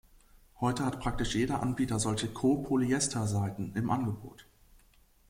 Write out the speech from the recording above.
Heute hat praktisch jeder Anbieter solche Co-Polyestersaiten im Angebot.